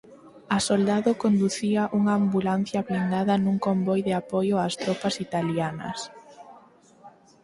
A soldado conducía unha ambulancia blindada nun convoi de apoio ás tropas italianas.